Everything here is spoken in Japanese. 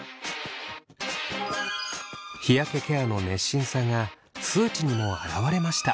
日焼けケアの熱心さが数値にも表れました。